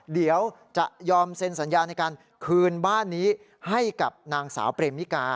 เดี๋ยวจะยอมเซ็นสัญญาในการคืนบ้านนี้ให้กับนางสาวเปรมมิกา